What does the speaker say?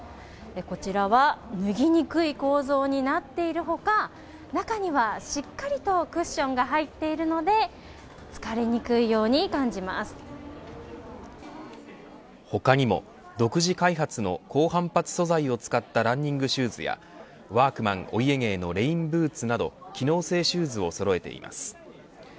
こちらは脱げにくい構造になっている他中にはしっかりとクッションが入っているので他にも独自開発の高反発素材を使ったランニングシューズやワークマンお家芸のレインブーツなど機能性シューズをそろえています。